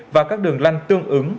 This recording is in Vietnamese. và các đường lăn tương ứng